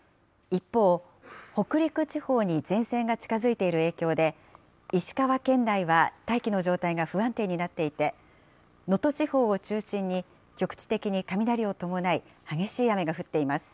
一方、北陸地方に前線が近づいている影響で、石川県内は大気の状態が不安定になっていて、能登地方を中心に局地的に雷を伴い、激しい雨が降っています。